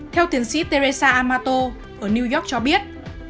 theo tiến sĩ teresa amato ở new york cho biết